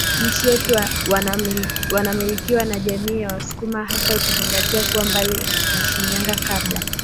nchi yetu wanamilikiwa na jamii ya wasukuma hasa ukizingatia kuwa mbali na Shinyanga kabla